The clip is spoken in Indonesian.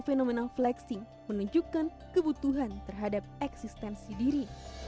fenomena flexing menunjukkan kebutuhan terhadap eksistensi diri